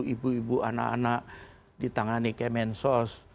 ibu ibu anak anak ditangani kemensos